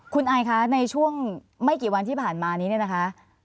คุณไอคะในช่วงไม่กี่วันที่ผ่านมานี้เนี่ยนะคะ